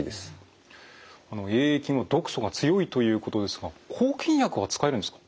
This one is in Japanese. あのＡ．ａ．菌は毒素が強いということですが抗菌薬は使えるんですか？